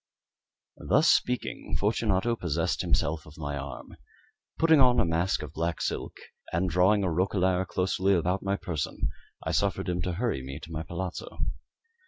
Thus speaking, Fortunato possessed himself of my arm. Putting on a mask of black silk, and drawing a roquelaire closely about my person, I suffered him to hurry me to my palazzo.